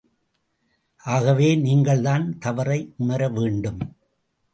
ஆகவே நீங்கள்தான் தவறை உணரவேண்டும்.